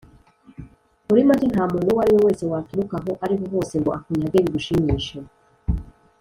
muri make, nta muntu uwo ariwe wese waturuka aho ariho hose ngo akunyage bigushimishe.